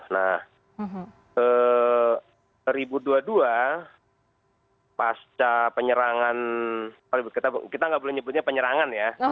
nah dua ribu dua puluh dua pasca penyerangan kita nggak boleh nyebutnya penyerangan ya